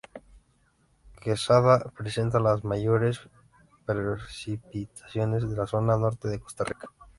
Quesada presenta las mayores precipitaciones de la Zona Norte de Costa Rica.